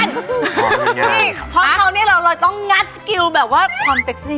นี่เพราะเขาเนี่ยเราต้องงัดสกิลแบบว่าความเซ็กซี่